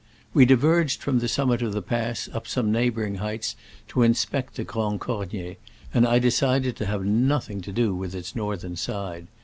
We diverged from the summit of the pass up some neighboring heights to inspect the Grand Cornier, and I decided to have nothing to do with its northern side.